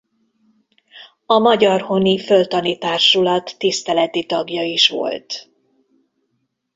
A Magyarhoni Földtani Társulat tiszteleti tagja is volt.